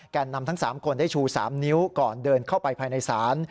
นำทั้ง๓คนได้ชู๓นิ้วก่อนเดินเข้าไปภายในศาล